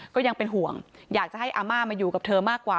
ก็ยังเป็นห่วงอยากจะให้อาม่ามาอยู่กับเธอมากกว่า